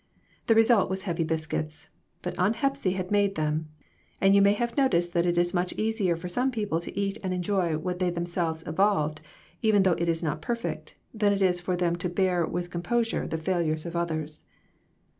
The result was heavy biscuits ; but Aunt Hepsy had made them, and you may have noticed that it is much easier for some people to eat and enjoy that which they themselves evolved, even though it is not perfect, than it is for them to bear with composure the failures of others.